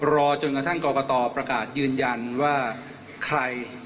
รอลดจนกระทั่งกรปะโตประกาศยืนยันว่า